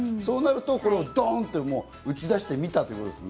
そうなるとドンっと打ち出してみたっていう。